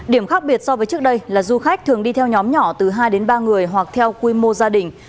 điểm khác biệt so với trước đây là du khách thường đi theo nhóm nhỏ từ hai đến ba người hoặc theo quy mô gia đình